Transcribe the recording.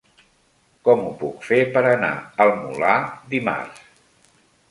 Com ho puc fer per anar al Molar dimarts?